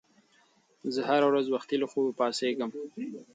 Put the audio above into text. زه هره ورځ سهار وختي له خوبه پاڅېږم.